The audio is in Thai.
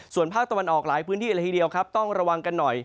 ส่วนภาคตะวันออกหลายพื้นที่ละทีเดียวครับต้องระวังกันหน่อย